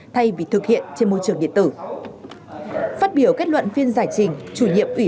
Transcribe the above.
thay vì thực hiện trên môi trường điện tử phát biểu kết luận phiên giải trình chủ nhiệm ủy